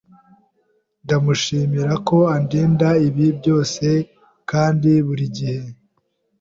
ndamushimira ko andinda ibibi byose kkandi buri gihe